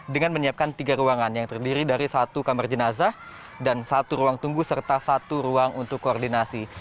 dengan menyiapkan tiga ruangan yang terdiri dari satu kamar jenazah dan satu ruang tunggu serta satu ruang untuk koordinasi